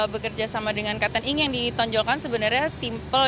bekerja sama dengan katan ing yang ditonjolkan sebenarnya simpel